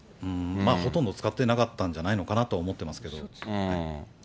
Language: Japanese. ほとんど使ってなかったんじゃないのかなとは思いますけれども。